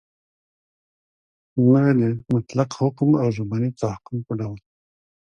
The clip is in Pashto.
نه د مطلق حکم او ژبني تحکم په ډول